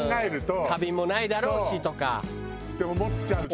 「花瓶もないだろうし」とか。って思っちゃうと。